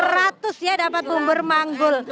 seratus ya dapat bubur manggul